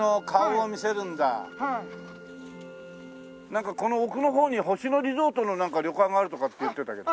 なんかこの奥の方に星野リゾートの旅館があるとかって言ってたけど。